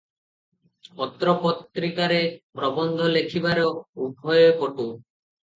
ପତ୍ର ପତ୍ରିକାରେ ପ୍ରବନ୍ଧ ଲେଖିବାରେ ଉଭୟେ ପଟୁ ।